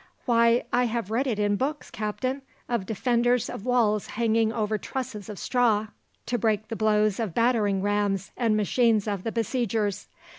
"Why, I have read in books, captain, of defenders of walls hanging over trusses of straw, to break the blows of battering rams and machines of the besiegers.